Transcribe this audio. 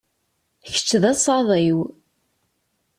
Kečč d asaḍ-iw.